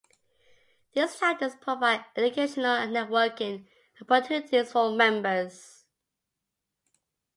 These chapters provide educational and networking opportunities for members.